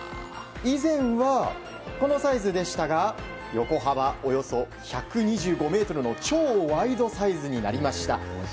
以前はこのサイズでしたが横幅およそ１２５ｍの超ワイドサイズになりました。